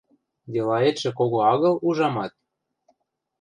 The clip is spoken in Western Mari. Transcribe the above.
— Делаэтшӹ кого агыл, ужамат?